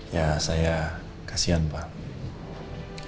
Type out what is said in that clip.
ya saya kasihan pak